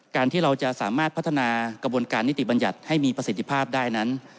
ที่เราจะสามารถพัฒนากระบวนการนิติบัญญัติให้มีประสิทธิภาพได้นั้น